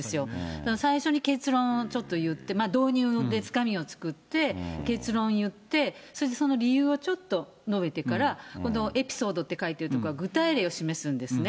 だから最初に結論をちょっといって、導入でつかみを作って、結論言って、それでその理由をちょっと述べてから、このエピソードって書いてる所は具体例を示すんですね。